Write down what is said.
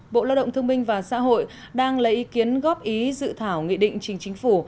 bộ lao động thương minh và xã hội đang lấy ý kiến góp ý dự thảo nghị định chính chính phủ